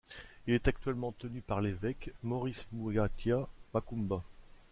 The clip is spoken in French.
Il est actuellement tenu par l'évêque, Maurice Muhatia Makumba.